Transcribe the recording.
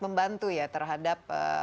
membantu ya terhadap